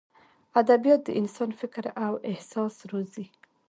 ادبیات د انسان فکر او احساس روزي.